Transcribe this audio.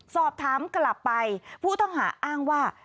สอบถามกลับไปผู้ต้องหาอ้างว่า